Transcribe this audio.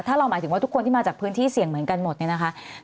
ถ้าเราหมายถึงว่าทุกคนที่มาจากพื้นที่เสี่ยงเหมือนกันหมดเนี่ยนะคะ